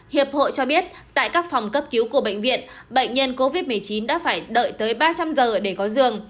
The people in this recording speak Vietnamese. hiệp hội cho biết tại các phòng cấp cứu của bệnh viện bệnh nhân covid một mươi chín đã phải đợi tới ba trăm linh giờ để có giường